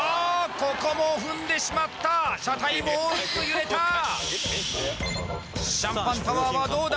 ここも踏んでしまった車体も大きく揺れたシャンパンタワーはどうだ？